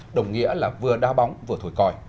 đồng nghĩa là vừa đa bóng vừa thổi còi